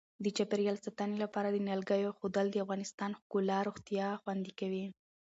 د چاپیریال ساتنې لپاره د نیالګیو اېښودل د افغانستان ښکلا او روغتیا خوندي کوي.